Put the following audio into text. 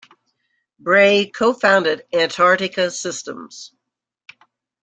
Bray co-founded Antarctica Systems.